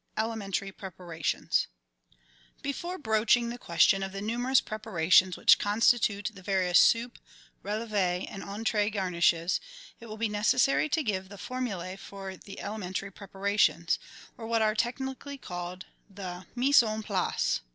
Elementary Preparations Before broaching the question of the numerous prepara tions which constitute the various soup, relev6, and entree gar nishes, it will be necessary to give the formulae of the elementary preparations, or what are technically called the mise en place.